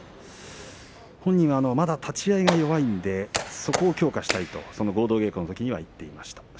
本人は立ち合いが弱いのでそこを強化したいと合同稽古のときには言っていました。